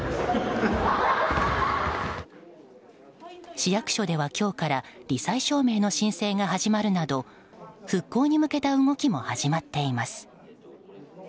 市役所では、今日から罹災証明の申請が始まるなど復興に向けた動きも始まっています。